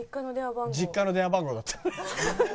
実家の電話番号だった。